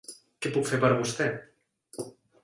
Què puc fer per vostè?